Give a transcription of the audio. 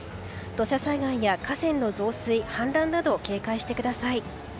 土砂災害や河川の増水氾濫など警戒してください。